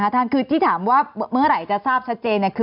ที่ถามเมื่อไหร่จะทราบชัดเจน